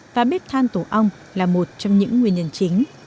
và bếp thàn tủ ong là một trong những nguyên nhân chính